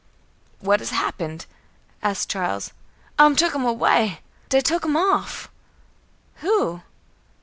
"What has happened?" asked Charles. "Um tuk um away! Dey tuk um off!" "Who?"